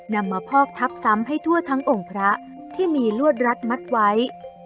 นำมาพอกทับซ้ำให้ทั่วทั้งองค์พระที่มีลวดรัดมัดไว้